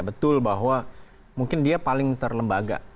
betul bahwa mungkin dia paling terlembaga